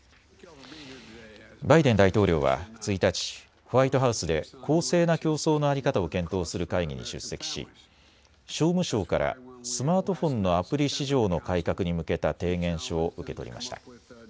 バイデン大統領は１日、ホワイトハウスで公正な競争の在り方を検討する会議に出席し商務省からスマートフォンのアプリ市場の改革に向けた提言書を受け取りました。